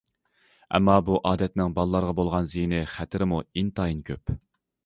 ئەمما بۇ ئادەتنىڭ بالىلارغا بولغان زىيىنى، خەتىرىمۇ ئىنتايىن كۆپ.